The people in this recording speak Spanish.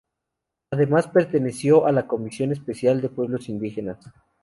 Además, perteneció a la Comisión Especial de Pueblos Indígenas.